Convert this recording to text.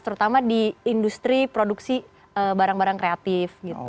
terutama di industri produksi barang barang kreatif